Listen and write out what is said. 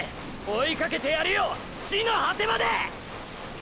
追いかけてやるよ地の果てまで！！